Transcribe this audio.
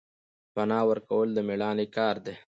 پنا ورکول د میړانې کار دی